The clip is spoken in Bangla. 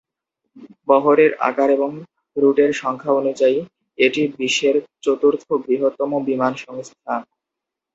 বহরের আকার এবং রুটের সংখ্যা অনুযায়ী, এটি বিশ্বের চতুর্থ বৃহত্তম বিমান সংস্থা।